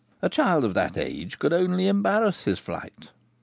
A child of that age could only embarrass his flight."